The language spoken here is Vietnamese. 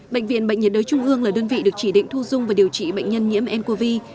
bệnh viện bệnh nhiệt đới trung ương là đơn vị được chỉ định thu dung và điều trị bệnh nhân nhiễm ncov